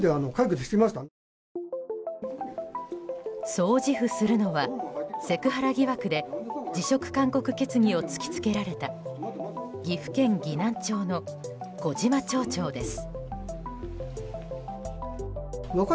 そう自負するのはセクハラ疑惑で辞職勧告決議を突き付けられた岐阜県岐南町の小島町長です。